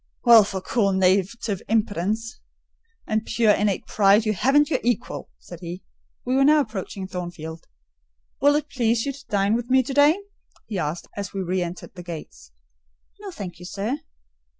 "Well, for cool native impudence and pure innate pride, you haven't your equal," said he. We were now approaching Thornfield. "Will it please you to dine with me to day?" he asked, as we re entered the gates. "No, thank you, sir."